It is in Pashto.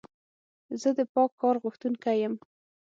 زه د پاک ښار غوښتونکی یم.